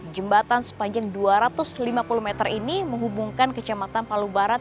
jembatan sepanjang dua ratus lima puluh meter ini menghubungkan kecamatan palu barat